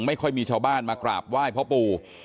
ไม่ค่อยมีชาวบ้านมากราบไหว้พ่อปู่